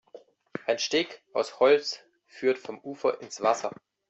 Ein Steg aus Holz führt vom Ufer ins Wasser.